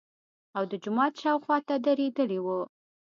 او د جومات شاوخواته درېدلي وو.